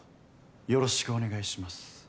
よろしくお願いします